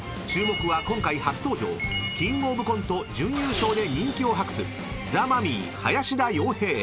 ［注目は今回初登場キングオブコント準優勝で人気を博すザ・マミィ林田洋平］